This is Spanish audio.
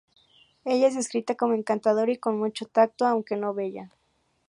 Ella es descrita como encantadora y con mucho tacto, aunque no bella.